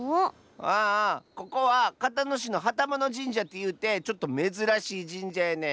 ああここはかたのしのはたものじんじゃってゆうてちょっとめずらしいじんじゃやねん。